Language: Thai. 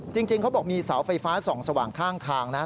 จริงเขาบอกมีเสาไฟฟ้าส่องสว่างข้างทางนะครับ